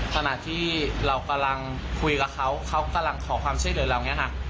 ขณะที่เรากำลังคุยกับเขาเขากำลังขอความช่วยเหลือเราอย่างนี้ค่ะ